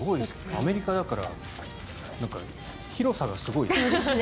アメリカだから広さがすごいですよね。